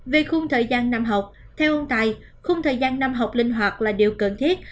về khung thời gian năm học theo ông tài khung thời gian năm học linh hoạt là điều cần thiết